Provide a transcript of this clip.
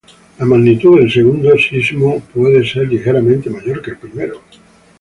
La magnitud del segundo sismo puede ser ligeramente mayor que el primero.